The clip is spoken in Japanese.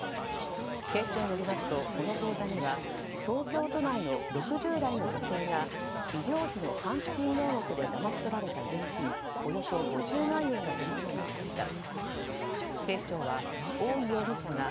警視庁によりますとこの口座には東京都内の６０代の女性が医療費の還付金名目でだまし取られた現金およそ５０万円が振り込まれていました。